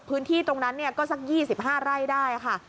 พื้นที่ตรงนั้นก็สัก๒๕ไร่ได้ค่ะ